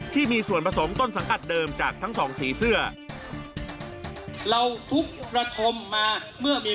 ที่มีส่วนประสงค์ต้นสังกัดเดิมจากทั้งสองสีเสื้อ